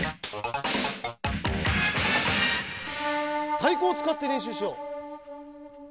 たいこをつかってれんしゅうしよう。